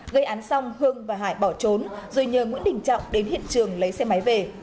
gây án xong hương và hải bỏ trốn rồi nhờ nguyễn đình trọng đến hiện trường lấy xe máy về